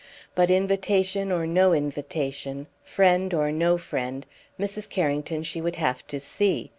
But invitation or no invitation, friend or no friend, Mrs. Carrington she would have to see.